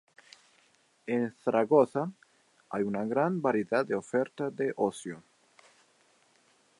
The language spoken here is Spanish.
En Zaragoza hay una gran variedad de oferta de ocio.